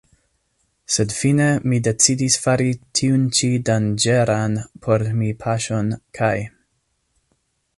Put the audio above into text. Sed fine mi decidis fari tiun ĉi danĝeran por mi paŝon kaj.